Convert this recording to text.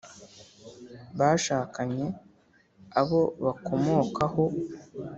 bashakanye abo bakomokaho